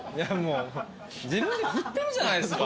自分で振ってるじゃないですか。